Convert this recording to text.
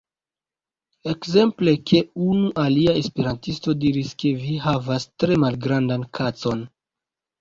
Ekzemple ke unu alia esperantisto diris ke vi havas tre malgrandan kacon.